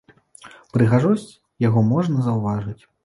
Прыгожасць яго можна заўважыць.